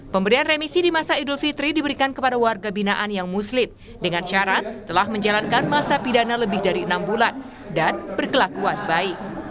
pemberian remisi di masa idul fitri diberikan kepada warga binaan yang muslim dengan syarat telah menjalankan masa pidana lebih dari enam bulan dan berkelakuan baik